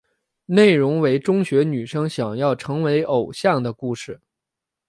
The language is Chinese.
内容为中学女生想要成为偶像的故事。